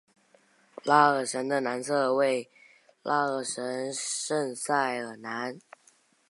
拉尔什的南侧为拉尔什圣塞尔南。